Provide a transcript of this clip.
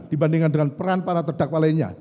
dibandingkan dengan peran para terdakwalanya